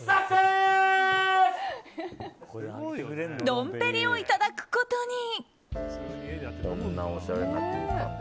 ドンぺリをいただくことに。